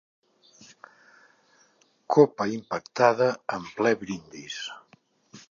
Copa impactada en ple brindis.